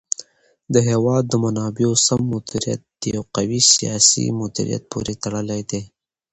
د هېواد د منابعو سم مدیریت د یو قوي سیاسي مدیریت پورې تړلی دی.